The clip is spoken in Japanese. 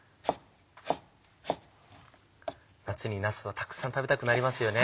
夏になすをたくさん食べたくなりますよね。